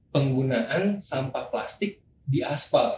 penggunaan sampah plastik di asfal